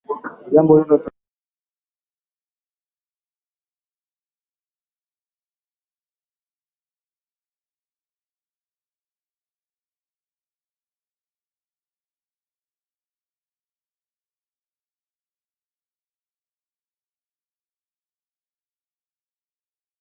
Kiwango cha maambukizi hutegemeana na wingi wa wadudu waumao